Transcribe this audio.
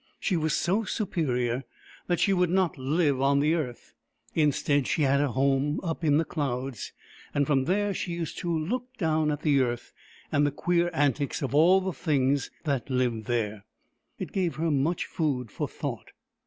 She was so superior that she would not live on the earth. Instead, she had a home up in the clouds, and from there she used to look dowTi at the earth and the queer antics of all the things that lived there. It gave her much food for thought.